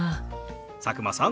佐久間さん